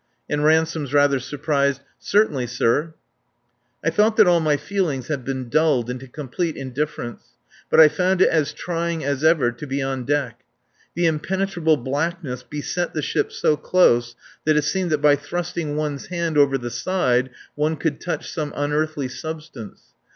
And Ransome's rather surprised: "Certainly, sir." I thought that all my feelings had been dulled into complete indifference. But I found it as trying as ever to be on deck. The impenetrable blackness beset the ship so close that it seemed that by thrusting one's hand over the side one could touch some unearthly substance.